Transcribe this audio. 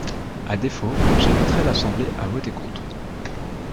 À défaut, j’inviterai l’Assemblée à voter contre.